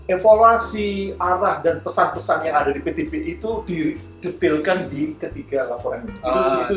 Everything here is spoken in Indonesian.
evaluasi arah dan pesan pesan yang ada di ptp itu didetilkan di ketiga laporan itu